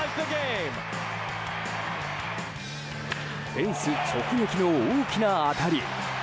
フェンス直撃の大きな当たり。